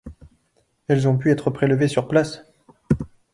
Elles ont pu être prélevées sur place.